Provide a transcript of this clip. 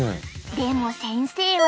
でも先生は！